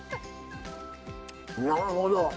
なるほど。